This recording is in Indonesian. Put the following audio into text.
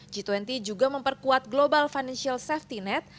g dua puluh juga memperkuat global financial safety net